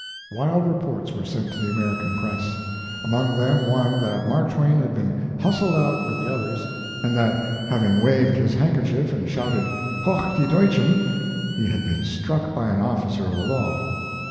Wild reports were sent to the American press; among them one that Mark Twain had been hustled out with the others, and that, having waved his handkerchief and shouted "Hoch die Deutschen!" he had been struck by an officer of the law.